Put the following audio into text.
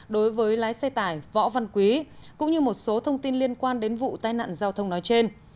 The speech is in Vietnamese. đối với lái xe tải võ văn quý cũng như một số thông tin liên quan đến vụ tai nạn giao thông nói trên